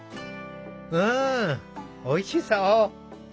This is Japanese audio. うんおいしそう。